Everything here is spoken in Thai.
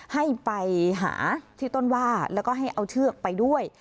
ให้ไปหาที่ต้นว่าแล้วก็ให้เอาเชือกไปด้วย